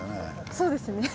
そうですね。